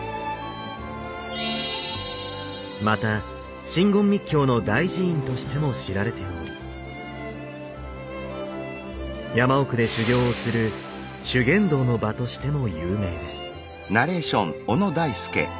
また真言密教の大寺院としても知られており山奥で修行をする修験道の場としても有名です。